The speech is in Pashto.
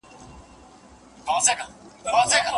بيسواده ښځه نسي کولای خپل خاوند ته ليک وليږي.